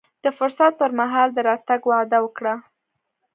د فرصت پر مهال د راتګ وعده وکړه.